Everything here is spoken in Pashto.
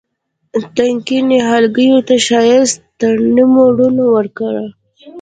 تنکي نهالګیو ته ښایسته ترمڼو لوڼې ورکړه